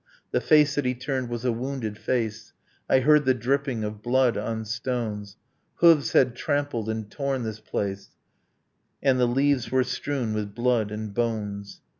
The face that he turned was a wounded face, I heard the dripping of blood on stones. ... Hooves had trampled and torn this place, And the leaves were strewn with blood and bones.